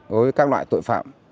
với các loại tội phạm